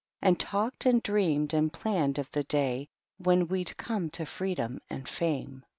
And talked and dreamed and planned of the day when we'd come to freedom and fame.